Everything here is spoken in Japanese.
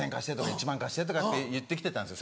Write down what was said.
「１万円貸して」とかって言って来てたんですよ